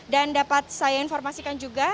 dan dapat saya informasikan juga